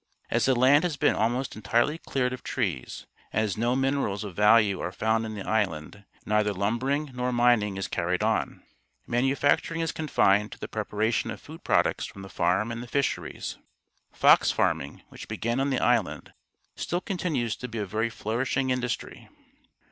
As the land has been almost entirely cleared of trees, and as no minerals of value are found Farm Scene near Charlottetown, P.E J. in the island, neither lumbering nor mining is carried on. Manufacturing is confined to the preparation of food products from the farm and the fisheries. Fox farming, which began on the island, still continues to be a very flourishing industry.